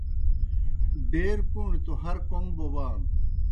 ڈیر پُوݨی توْ ہر کوْم بوبانوْ۔